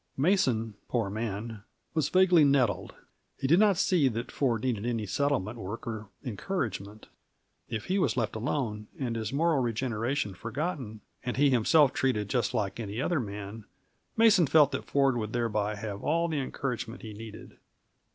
Mason, poor man, was vaguely nettled; he did not see that Ford needed any settlement worker encouragement. If he was let alone, and his moral regeneration forgotten, and he himself treated just like any other man, Mason felt that Ford would thereby have all the encouragement he needed.